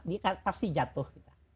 dia pasti jatuh